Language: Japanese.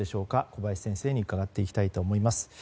小林先生に伺っていきたいと思います。